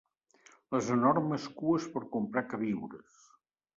Les enormes cues per comprar queviures